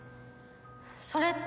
それって。